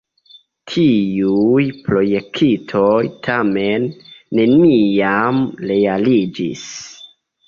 Tiuj projektoj tamen neniam realiĝis.